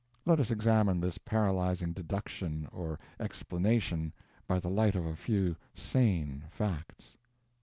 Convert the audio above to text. Let us examine this paralyzing Deduction or Explanation by the light of a few sane facts.